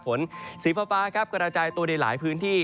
ฝนสีฟ้าครับกระจายตัวในหลายพื้นที่